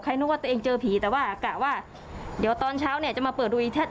นึกว่าตัวเองเจอผีแต่ว่ากะว่าเดี๋ยวตอนเช้าเนี่ยจะมาเปิดดูอีก